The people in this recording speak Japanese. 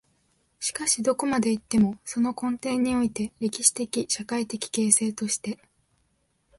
しかしどこまで行っても、その根底において、歴史的・社会的形成として、